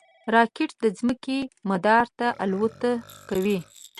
راکټ د ځمکې مدار ته الوت کوي